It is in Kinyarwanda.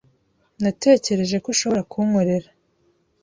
Natekereje ko ushobora kunkorera.